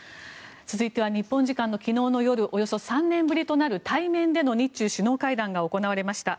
続いては日本時間の昨日の夜およそ３年ぶりとなる対面での日中首脳会談が行われました。